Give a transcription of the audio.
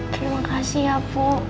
terima kasih ya bu